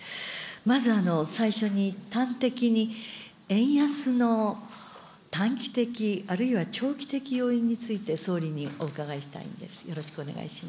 まず、最初に端的に円安の短期的、あるいは長期的要因について、総理にお伺いしたいんです。